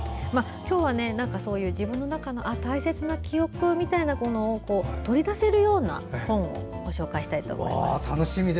今日は自分の中の大切な記憶みたいなものを取り出せるような本をご紹介したいと思います。